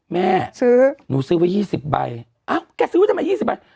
แม่ซื้อหนูซื้อไว้ยี่สิบใบอ้าวแกซื้อไว้ทำไมยี่สิบใบ